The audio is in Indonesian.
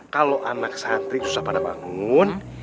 kalau anak santri susah pada bangun